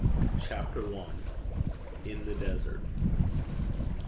CHAPTER I. IN THE DESERT.